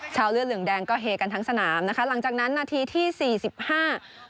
เลือดเหลืองแดงก็เฮกันทั้งสนามนะคะหลังจากนั้นนาทีที่สี่สิบห้า